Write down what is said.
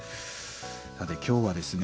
さて今日はですね